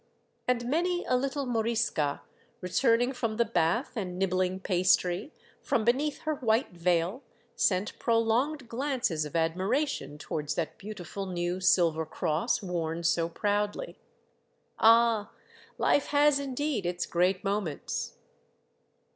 And many a little Morisca, returning from the bath and nibbling pastry, from beneath her white veil sent prolonged glances of admiration towards that beau tiful new silver cross worn so proudly. Ah ! life has indeed its great moments